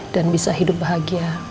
dan bisa hidup bahagia